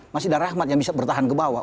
masih ada rahmat yang bisa bertahan ke bawah